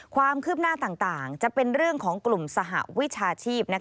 ความคืบหน้าต่างจะเป็นเรื่องของกลุ่มสหวิชาชีพ